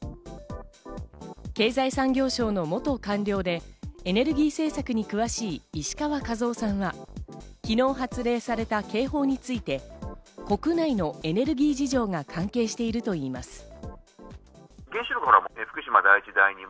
経済産業省の元官僚でエネルギー政策に詳しい石川和男さんは昨日発令された警報について、国内のエネルギー事情が関係しているといいます。